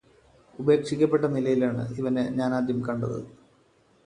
ഉപേക്ഷിക്കപ്പെട്ട നിലയിലാണ് ഇവനെ ഞാനാദ്യം കണ്ടത്